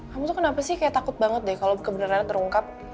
kamu tuh kenapa sih kayak takut banget deh kalau kebenarannya terungkap